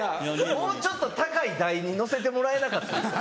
もうちょっと高い台にのせてもらえなかったんですか？